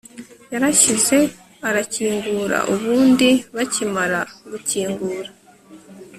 Yarashyize arakingura ubundi bakimara gukingura